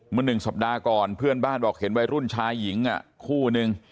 หนึ่งสัปดาห์ก่อนเพื่อนบ้านบอกเห็นวัยรุ่นชายหญิงคู่นึง